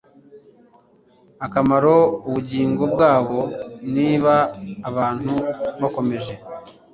akamaro ubugingo bwabo Niba abantu bakomeje